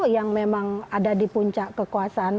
yang memang ada di puncak kekuasaan